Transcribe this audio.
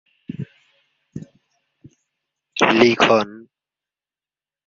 ইহুদি এই পরিবার তৎকালীন রাশিয়ার ক্ষুদ্র কারখানা মালিক শ্রেণীর অন্তর্গত ছিল।